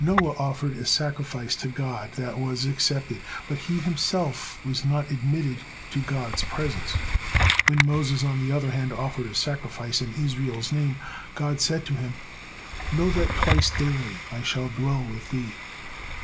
Noah offered a sacrifice to God that was accepted, but he himself was not admitted to God's presence. When Moses, on the other hand, offered a sacrifice in Israel's name, God said to him, "Know that twice daily I shall dwell with ye."